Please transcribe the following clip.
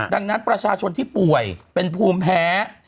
ดังนั้นประชาชนที่ป่วยเป็นภูมิแพ้